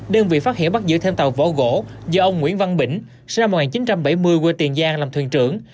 đơn vị phát hiểu bắt giữ thêm tàu vỏ gỗ do ông nguyễn văn bỉnh s một nghìn chín trăm bảy mươi quê tiền giang làm thuyền trưởng